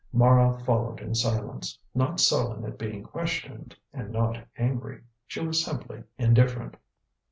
Mara followed in silence, not sullen at being questioned and not angry. She was simply indifferent.